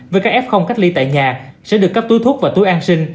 với các f cách ly tại nhà sẽ được cấp túi thuốc và túi an sinh